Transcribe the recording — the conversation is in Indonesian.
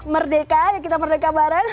merdeka ya kita merdeka barat